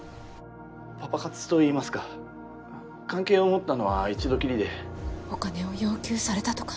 パパ活といいますか関係を持ったのは一度きりでお金を要求されたとか。